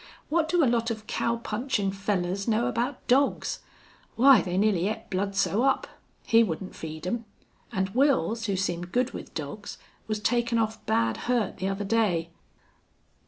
"What do a lot of cow punchin' fellars know about dogs? Why, they nearly ate Bludsoe up. He wouldn't feed 'em. An' Wils, who seemed good with dogs, was taken off bad hurt the other day.